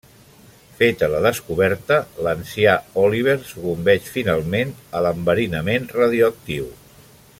Feta la descoberta, l’ancià Oliver sucumbeix finalment a l’enverinament radioactiu.